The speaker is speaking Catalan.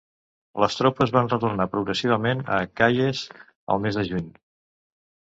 Les tropes van retornar progressivament a Kayes el mes de juny.